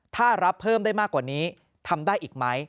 ถ้ารับเพิ่มได้มากกว่านี้ทำได้อีกไหม